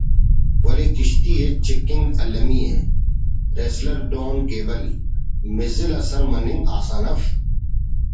ولے کشتی ءِ چکنگ المیءِ “ (ریسلر ڈان گیبل) مزل آ سر مننگ آسان اف